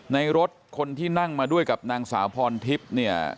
ในรถคนที่นั่งมาด้วยกับนางสาวพรทิพย์เนี่ย